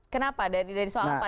kenapa dari soal apa